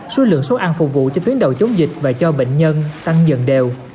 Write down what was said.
số lượng số ăn phục vụ cho tuyến đầu chống dịch và cho bệnh nhân tăng dần đều